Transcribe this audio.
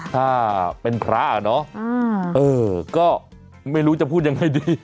ถ้าเป็นพระอ่ะเนาะก็ไม่รู้จะพูดยังไงดี